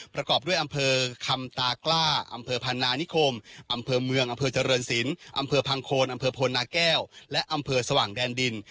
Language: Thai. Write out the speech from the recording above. ประกอบด้วยอำเภอคำตากล้าอำเภอพันนานิคมอำเภอเมืองอำเภอเจริญศิลป์อำเภอพังโคนอำเภอโพนาแก้วและอำเภอสว่างแดนดิน